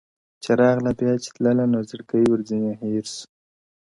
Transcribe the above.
چي راغله بيا چي تلله نو زړكى ورځيني هېر سو.!